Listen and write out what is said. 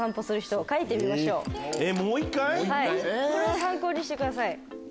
もう一回⁉これを参考にしてください。